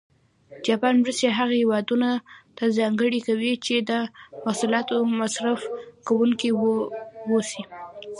جاپان مرستې هغه هېوادونه ته ځانګړې کوي چې د محصولاتو مصرف کوونکي و اوسي.